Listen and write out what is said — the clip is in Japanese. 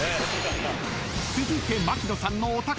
［続いて槙野さんのお宝］